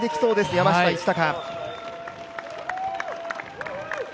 山下一貴。